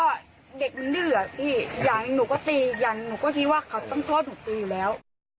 ก็เด็กมันลื้ออย่างนี้หนูก็ตีอย่างนี้หนูก็ตีว่าเขาต้องช่วยถูกตีอยู่แล้ว